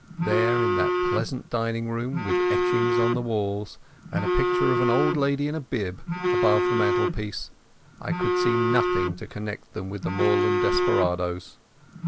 There in that pleasant dining room, with etchings on the walls, and a picture of an old lady in a bib above the mantelpiece, I could see nothing to connect them with the moorland desperadoes.